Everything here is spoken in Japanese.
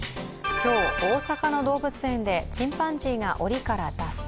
今日、大阪の動物園でチンパンジーがおりから脱走。